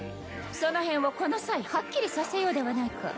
その辺をこの際はっきりさせようではないか。